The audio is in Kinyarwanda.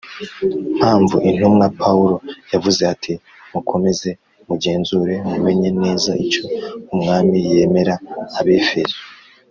Mpamvu intumwa pawulo yavuze ati mukomeze mugenzure mumenye neza icyo umwami yemera abefeso